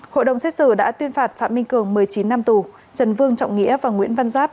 hội đồng xét xử đã tuyên phạt phạm minh cường một mươi chín năm tù trần vương trọng nghĩa và nguyễn văn giáp